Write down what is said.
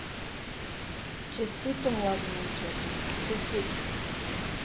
— Честито, млади момчета, честито!